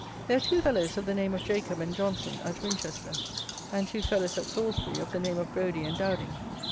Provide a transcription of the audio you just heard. There are two fellows of the name of Jacob and Johnson at Winchester, and two fellows at Salisbury of the name of Brodie and Dowding.